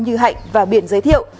như hạnh và biển giới thiệu